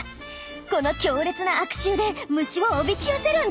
この強烈な悪臭で虫をおびき寄せるんだって。